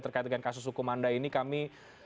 terkait dengan kasus hukum anda ini kami